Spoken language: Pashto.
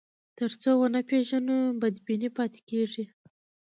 تر څو ونه پېژنو، بدبیني پاتې کېږي.